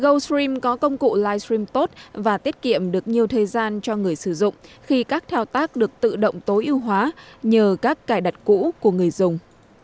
goldstream có công cụ livestream tốt và tiết kiệm được nhiều thời gian cho người sử dụng khi các thao tác được tự động tối ưu hóa nhờ các cài đặt cũ của người dùng